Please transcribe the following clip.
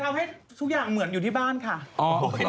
ทำให้ทุกอย่างเหมือนอยู่ที่บ้านค่ะ